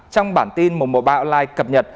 trong bản tin một trăm một mươi ba online cập nhật